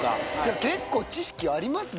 結構、知識ありますね。